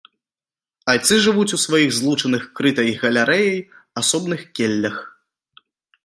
Айцы жывуць у сваіх злучаных крытай галерэяй асобных келлях.